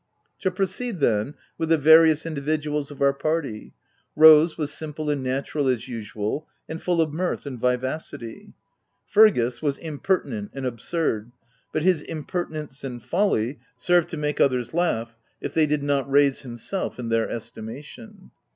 To proceed then, with the various indi viduals of our party; Rose was simple and natural as usual, and full of mirth and viva city. Fergus was impertinent and absurd ; but his 6S THE TENANT impertinence and folly served to make others laugh, if they did not raise himself in their estimation.